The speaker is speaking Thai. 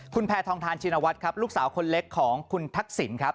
คุณแพทองทานชินวัฒน์ครับลูกสาวคนเล็กของคุณทักษิณครับ